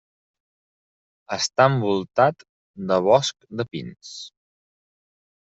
Està envoltat de bosc de pins.